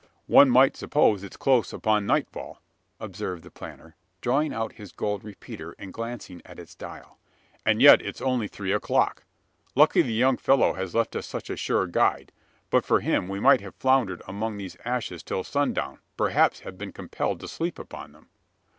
"One might suppose it close upon nightfall," observed the planter, drawing out his gold repeater, and glancing at its dial; "and yet it's only three o'clock! Lucky the young fellow has left us such a sure guide. But for him, we might have floundered among these ashes till sundown; perhaps have been compelled to sleep upon them."